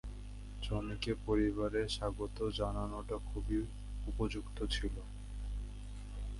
জনিকে পরিবারে স্বাগত জানানোটা খুবই উপযুক্ত ছিল।